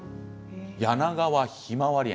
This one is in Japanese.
柳川ひまわり園。